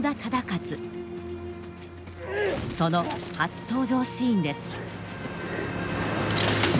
その初登場シーンです。